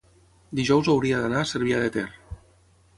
dijous hauria d'anar a Cervià de Ter.